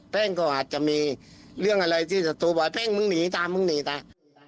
แป้งก็อาจจะมีเรื่องอะไรที่จะโทรบอกแป้งมึงหนีจ้ามึงหนีจ้า